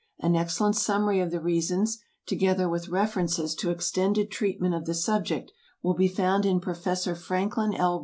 An excellent summary of the reasons, together with references to extended treatment of the subject, will be found in Professor Franklin L.